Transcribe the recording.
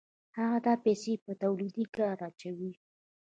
هغه دا پیسې په تولیدي کار اچوي